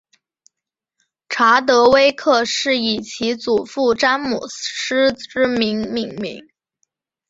查德威克是以其祖父詹姆斯之名命名。